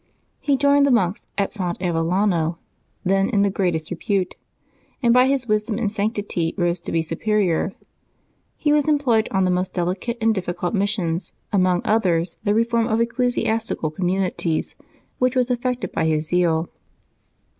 He joined the monks at Font Avellano, then in the greatest repute, and by his wisdom and sanctity rose to be Superior. He was employed on the most delicate and difficult mis sions, amongst others the reform of ecclesiastical commu nities, which was effected by his zeal.